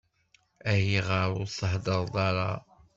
Ayɣer ur s-thedreḍ ara?